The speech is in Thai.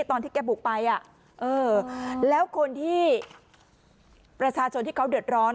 ตอนที่แกบุกไปอ่ะเออแล้วคนที่ประชาชนที่เขาเดือดร้อน